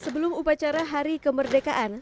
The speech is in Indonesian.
sebelum upacara hari kemerdekaan